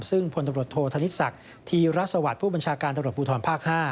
ซึ่งพลตำรวจโทษธนิสักที่รัศวรรษผู้บัญชาการตำรวจบูทรภาค๕